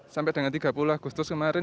sampai dengan tiga puluh agustus kemarin